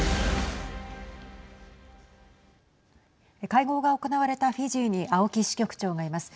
会合が行われたフィジーに青木支局長がいます。